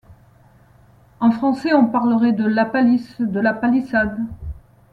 En français, on parlerait de Lapalisse, de Lapalissade.